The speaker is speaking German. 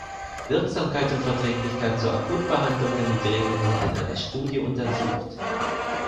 Wirksamkeit und Verträglichkeit zur Akutbehandlung der Migräne wurden in einer Studie untersucht.